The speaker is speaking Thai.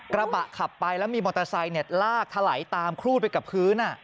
กระบะขับไปแล้วมีมอเตอร์ไซค์ลากถลายตามครูดไปกับพื้น